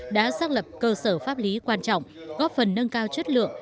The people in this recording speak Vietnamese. đã xác lập cơ sở pháp lý quan trọng góp phần nâng cao chất lượng